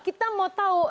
kita mau tahu